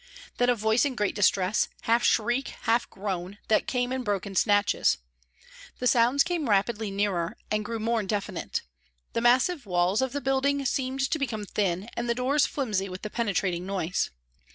Then a voice in great distress, half shriek, half groan, that came in broken snatches. The sounds came rapidly nearer and grew more definite. The massive walls of the building seemed to become thin and the doors flimsy with the penetrating noise.